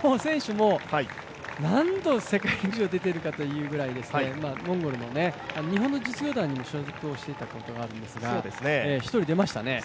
この選手も何度世界陸上に出ているかというぐらいですねモンゴルの、日本の実業団に所属をしていたことがあるんですが、一人出ましたね。